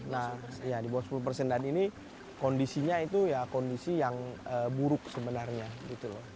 nah di bawah sepuluh persen dan ini kondisinya itu ya kondisi yang buruk sebenarnya gitu loh